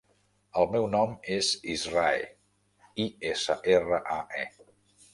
El meu nom és Israe: i, essa, erra, a, e.